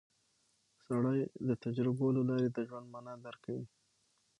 سړی د تجربو له لارې د ژوند مانا درک کوي